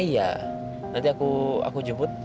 iya nanti aku jemput